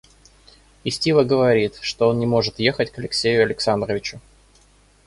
И Стива говорит, что он не может ехать к Алексею Александровичу.